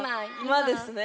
今ですね